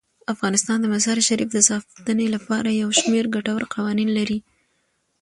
افغانستان د مزارشریف د ساتنې لپاره یو شمیر ګټور قوانین لري.